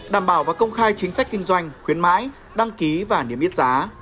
đảm bảo và công khai chính sách kinh doanh khuyến mãi đăng ký và niêm yết giá